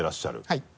はい。